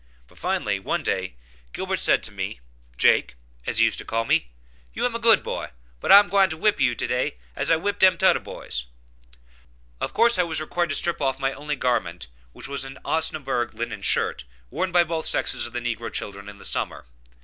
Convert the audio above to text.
But finally, one day, Gilbert said to me, "Jake," as he used to call me, "you am a good boy, but I'm gwine to wip you some to day, as I wip dem toder boys." Of course I was required to strip off my only garment, which was an Osnaburg linen shirt, worn by both sexes of the negro children in the summer.